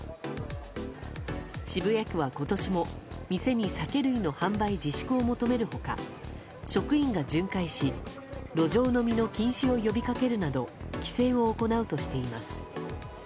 渋谷区は今年も店に酒類販売の自粛を求める他、職員が巡回し路上飲みの禁止を呼びかけるなど規制を行うとしています。